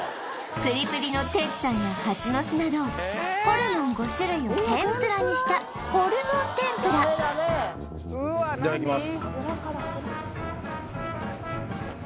プリプリのテッチャンやハチノスなどホルモン５種類を天ぷらにしたホルモン天ぷらいただきます